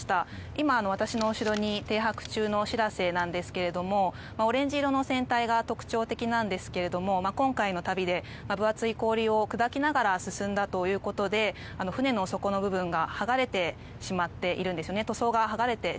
今、私の後ろに停泊中の「しらせ」なんですけどオレンジ色の船体が特徴的なんですけれども今回の旅で分厚い氷を砕きながら進んだということで船の底の部分の塗装が剥がれてしまっています。